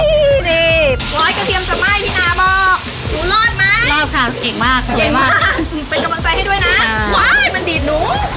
อันนี้คือผักหวาน